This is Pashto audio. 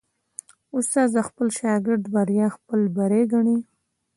استاد د خپل شاګرد بریا خپل بری ګڼي.